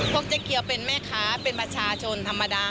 เจ๊เกียวเป็นแม่ค้าเป็นประชาชนธรรมดา